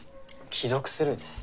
既読スルーです。